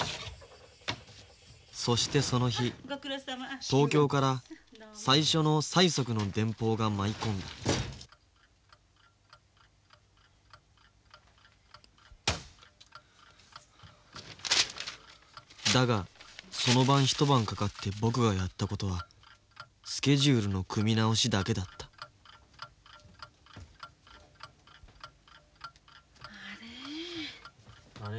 そしてその日東京から最初の催促の電報が舞い込んだだがその晩一晩かかって僕がやったことはスケジュールの組み直しだけだったあれ。